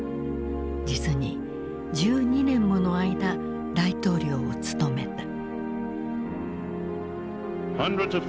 実に１２年もの間大統領を務めた。